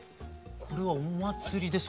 これはお祭りですか？